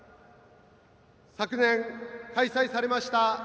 昨年開催されました